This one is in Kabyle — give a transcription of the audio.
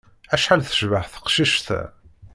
Acḥal tecbeḥ teqcict-a!